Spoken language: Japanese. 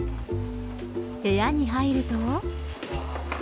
部屋に入ると。